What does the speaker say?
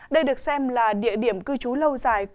đây được xem là địa điểm cư trú lâu dài